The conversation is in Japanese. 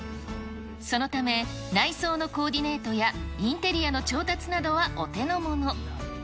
そのため、内装のコーディネートやインテリアの調達などはお手のもの。